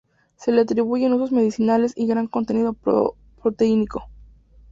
Se le atribuyen usos medicinales y gran contenido proteínico.